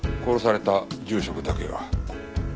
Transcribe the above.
殺された住職だけが。